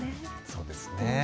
そうですね。